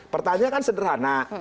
pertanyaan kan sederhana